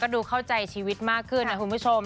ดูเข้าใจชีวิตมากขึ้นนะคุณผู้ชม